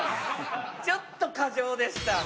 ちょっと過剰でした。